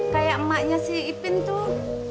kayak emaknya si ipin tuh